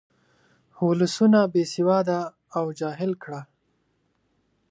ولسونه بې سواده او جاهل کړه.